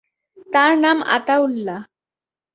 তার নাম আতাউল্লাহ।